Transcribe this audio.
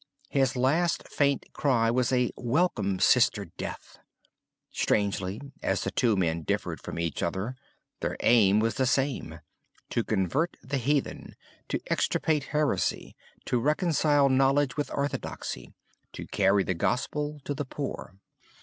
His last faint cry was a 'Welcome, Sister Death.' Strangely as the two men differed from each other, their aim was the same, to convert the heathen, to extirpate heresy, to reconcile knowledge with orthodoxy, to carry the Gospel to the poor.